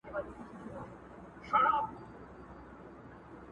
قلندر ويله هلته بيزووانه!!